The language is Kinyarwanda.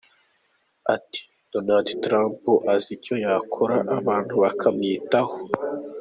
Ati” Donald Trump azi icyo yakora abantu bakamwitaho.